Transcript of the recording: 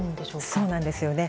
そうなんですよね。